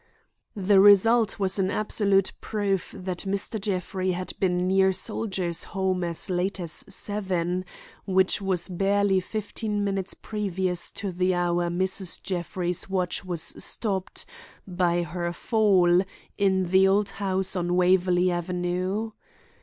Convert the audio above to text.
The result was an absolute proof that Mr. Jeffrey had been near Soldiers' Home as late as seven, which was barely fifteen minutes previous to the hour Mrs. Jeffrey's watch was stopped by her fall in the old house on Waverley Avenue.